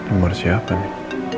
amor siapa nen